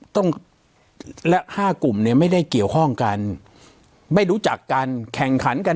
และห้ากลุ่มเนี่ยไม่ได้เกี่ยวข้องกันไม่รู้จักกันแข่งขันกัน